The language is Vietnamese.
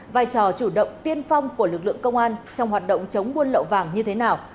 vai trò chủ động tiên phong của lực lượng công an trong hoạt động chống buôn lậu vàng như thế nào